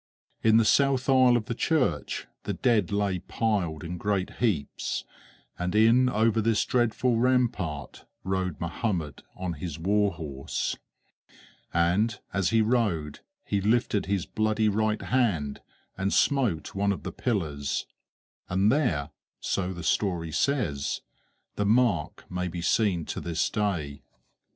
In the south aisle of the church the dead lay piled in great heaps, and in over this dreadful rampart rode Mohammed on his war horse; and as he rode, he lifted his bloody right hand and smote one of the pillars, and there so the story says the mark may be seen to this day.